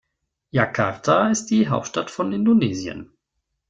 Jakarta ist die Hauptstadt von Indonesien.